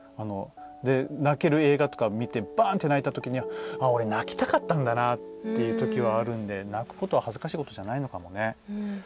泣ける映画とか見てばーんって泣いたとき俺、泣きたかったんだなってときはあるんで、泣くことは恥ずかしいことじゃないのかもしれないね。